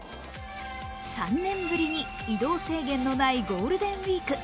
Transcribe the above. ３年ぶりに移動制限のないゴールデンウイーク。